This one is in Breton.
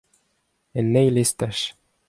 En eil estaj.